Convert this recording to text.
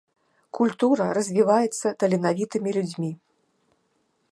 Культура развіваецца таленавітымі людзьмі.